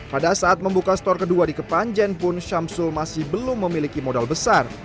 pada saat membuka store kedua di kepanjen pun syamsul masih belum memiliki modal besar